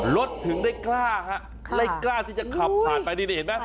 รถถึงได้กล้าฮะได้กล้าที่จะขับผ่านไปนี่เห็นไหม